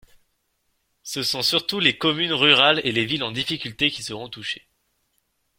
Ce sont surtout les communes rurales et les villes en difficulté qui seront touchées.